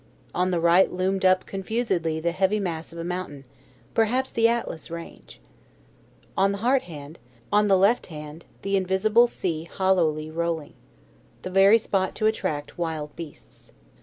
On the right loomed up confusedly the heavy mass of a mountain perhaps the Atlas range. On the heart hand, the invisible sea hollowly rolling. The very spot to attract wild beasts.